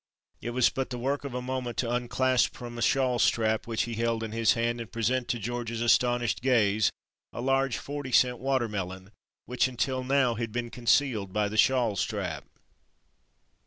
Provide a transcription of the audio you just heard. It was but the work of a moment to unclasp from a shawl strap which he held in his hand and present to George's astonished gaze a large 40 cent water melon, which until now had been concealed by the shawl strap.